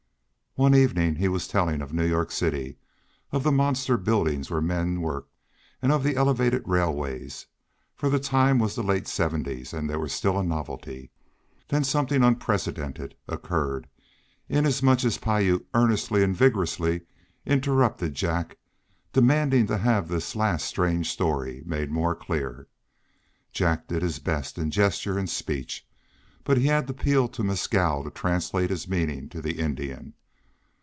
One evening he was telling of New York City, of the monster buildings where men worked, and of the elevated railways, for the time was the late seventies and they were still a novelty. Then something unprecedented occurred, inasmuch as Piute earnestly and vigorously interrupted Jack, demanding to have this last strange story made more clear. Jack did his best in gesture and speech, but he had to appeal to Mescal to translate his meaning to the Indian.